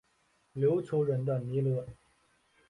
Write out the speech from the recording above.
琉球人的弥勒。